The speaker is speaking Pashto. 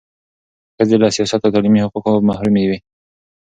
ښځې له سیاسي او تعلیمي حقوقو محرومې وې.